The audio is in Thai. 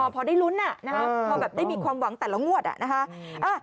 พอได้รุนนะครับได้มีความหวังแต่ละงวดเนี่ยนะคะ